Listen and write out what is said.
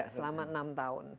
selama enam tahun